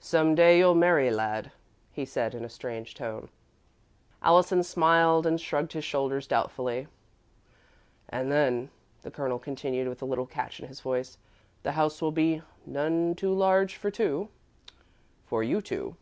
"Some day you'll marry, lad," he said, in a strange tone. Allison smiled and shrugged his shoulders doubtfully. "And then," the Colonel continued, with a little catch in his voice, "the house will be none too large for two for you two."